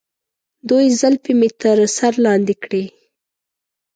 دوی زلفې مې تر سر لاندې کړي.